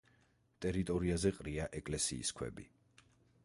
ტერიტორიაზე ყრია ეკლესიის ქვები.